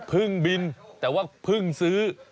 เพิ่งบินแต่ว่าเพิ่งซื้อ